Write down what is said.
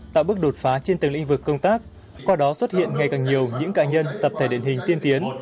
tạo bước đột phá trên từng lĩnh vực công tác qua đó xuất hiện ngày càng nhiều những cá nhân tập thể điển hình tiên tiến